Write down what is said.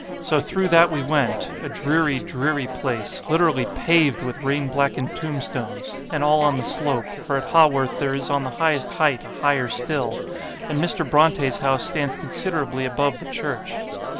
So through that we went, a dreary, dreary place, literally PAVED with rain blackened tombstones, and all on the slope, for at Haworth there is on the highest height a higher still, and Mr. Brontë's house stands considerably above the church.